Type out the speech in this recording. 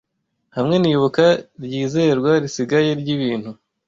Hamwe nibuka ryizerwa risigaye ryibintu